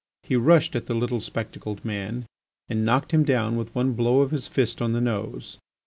He rushed at the little spectacled man, and knocked him down with one blow of his fist on the nose.